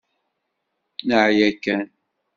Neεya kan.